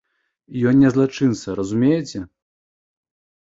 Ён не злачынца, разумееце?